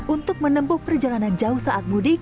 untuk menempuh perjalanan jauh saat mudik